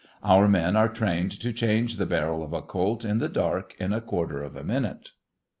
Our men are trained to change the barrel of a colt in the dark in a quarter of a minute.